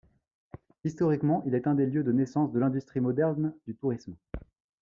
Historiquement, il est un des lieux de naissance de l'industrie moderne du tourisme.